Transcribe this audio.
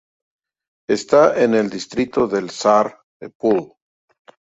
Esta en el distrito de Sar-e Pol.